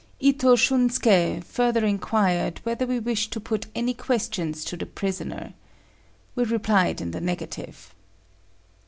Itô Shunské further inquired whether we wished to put any questions to the prisoner. We replied in the negative.